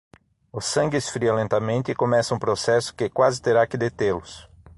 O sangue esfria lentamente e começa um processo que quase terá que detê-los.